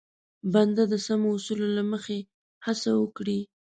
بنده د سمو اصولو له مخې هڅه وکړي.